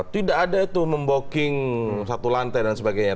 tidak ada itu memboking satu lantai dan sebagainya